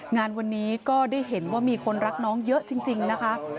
งานวันนี้ก็ได้เห็นว่ามีคนรักน้องเยอะจริงนะคะ